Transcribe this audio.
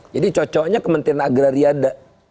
jadi cocoknya kementerian agrari ada